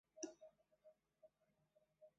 约克城是位于英国英格兰约克的一座城堡。